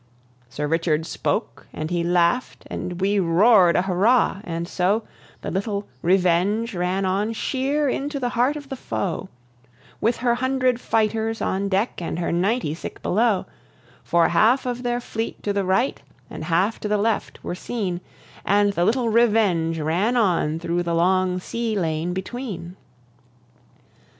Sir Richard spoke and he laugh'd, and we roar'd a hurrah, and so The little Revenge ran on sheer into the heart of the foe, With her hundred fighters on deck, and her ninety sick below; For half of their fleet to the right and half to the left were seen, And the little Revenge ran on thro' the long sea lane between.